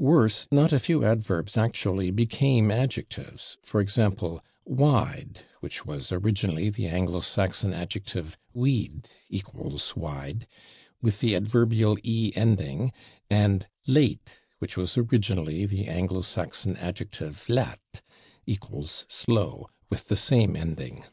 Worse, not a few adverbs actually became adjectives, for example, /wide/, which was originally the Anglo Saxon adjective /wid/ (=/wide/) with the adverbial / e/ ending, and /late/, which was originally the Anglo Saxon adjective /laet/ (=/slow/) with the same ending.